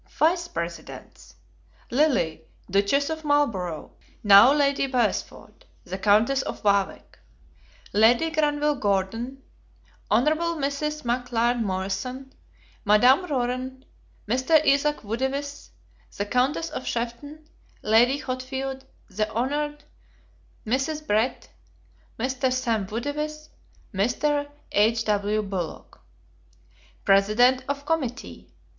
Vice presidents. Lily, Duchess of Marlborough, now Lady Wm. Beresford; the Countess of Warwick; Lady Granville Gordon; Hon. Mrs. McL. Morrison; Madame Ronner; Mr. Isaac Woodiwiss; the Countess of Sefton; Lady Hothfield; the Hon. Mrs. Brett; Mr. Sam Woodiwiss; Mr. H.W. Bullock. _President of Committee.